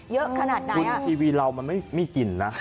เยอะขนาดนั้นคุณทีวีเรามันไม่มีกลิ่นนะ